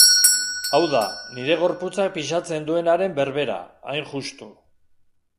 Hau da, nire gorputzak pisatzen duenaren berbera, hain justu.